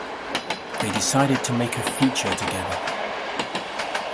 They decided to make a feature together.